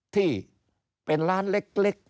ที่เป็นร้านเล็ก